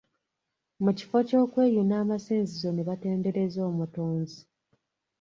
Mu kifo ky’okweyuna amasinzizo ne batendereza omutonzi.